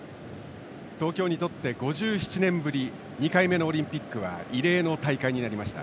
東京にとって５７年ぶり２回目のオリンピックは異例の大会になりました。